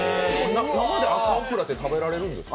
生で赤オクラって食べられるんですか？